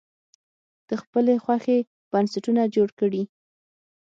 د خپلې خوښې بنسټونه جوړ کړي.